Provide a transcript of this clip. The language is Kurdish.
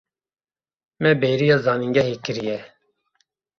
Me bêriya zanîngehê kiriye.